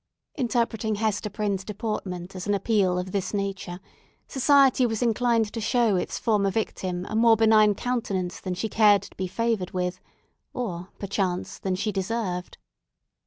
Interpreting Hester Prynne's deportment as an appeal of this nature, society was inclined to show its former victim a more benign countenance than she cared to be favoured with, or, perchance, than she deserved.